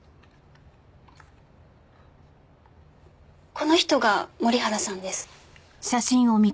この人が森原さんです。